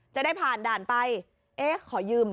จะได้ผ่านด่านไปเอ๊ะขอยืมเหรอ